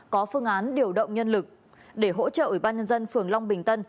có phương án điều động nhân lực để hỗ trợ ủy ban nhân dân phường long bình tân